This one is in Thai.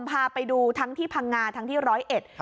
พาไปดูทั้งที่พังงาทั้งที่ร้อยเอ็ด